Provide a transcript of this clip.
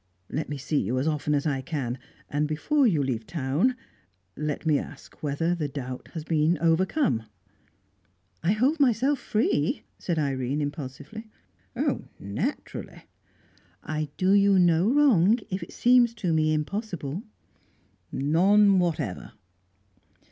Let me see you as often as I can, and, before you leave town, let me ask whether the doubt has been overcome." "I hold myself free," said Irene impulsively. "Naturally." "I do you no wrong if it seems to me impossible." "None whatever."